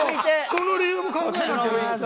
その理由も考えなきゃなって。